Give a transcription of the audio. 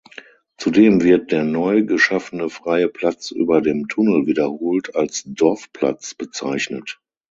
Zudem wird der neu geschaffene freie Platz über dem Tunnel wiederholt als "Dorfplatz" bezeichnet.